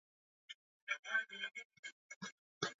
aa saba uliofanyika jijini new york marekani